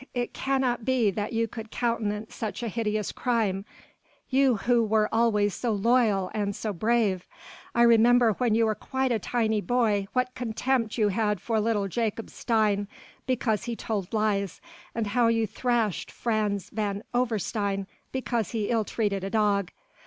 It cannot be that you could countenance such a hideous crime, you who were always so loyal and so brave! I remember when you were quite a tiny boy what contempt you had for little Jakob Steyn because he told lies, and how you thrashed Frans van Overstein because he ill treated a dog....